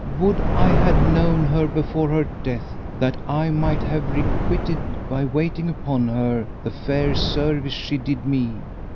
Would I had known her before her death, that I might have requited by waiting upon her the fair service she did me.